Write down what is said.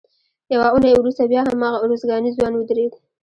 یوه اونۍ وروسته بیا هماغه ارزګانی ځوان ودرېد.